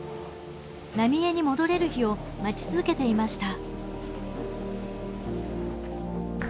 浪江に戻れる日を待ち続けていました。